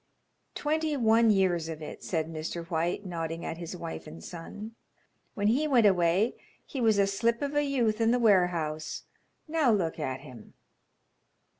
"Twenty one years of it," said Mr. White, nodding at his wife and son. "When he went away he was a slip of a youth in the warehouse. Now look at him."